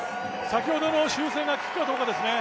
先ほどの修正が効くかどうかですね。